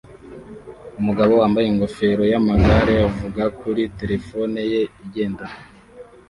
umugabo wambaye ingofero yamagare avugana kuri terefone ye igendanwa